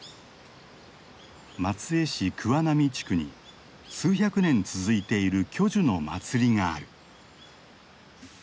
松江市桑並地区に数百年続いている巨樹の祭りがある。